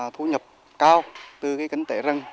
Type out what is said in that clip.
thu nhập cao từ cái kinh tế rừng